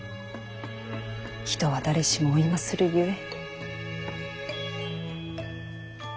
人は誰しも老いまするゆえ。